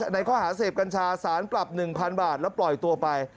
ในข้อหาเสพกัญชาสารปรับ๑๐๐๐บาทแล้วปล่อยตัวไป